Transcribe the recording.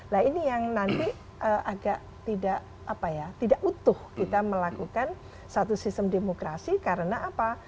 nah ini yang nanti agak tidak apa ya tidak utuh kita melakukan satu sistem demokrasi karena apa